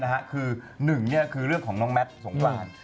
คือหนึ่งคือเรื่องของน้องแมทสงกราน